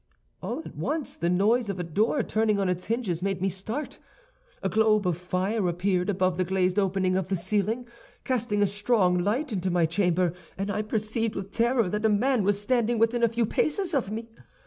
"All at once the noise of a door, turning on its hinges, made me start. A globe of fire appeared above the glazed opening of the ceiling, casting a strong light into my chamber; and I perceived with terror that a man was standing within a few paces of me.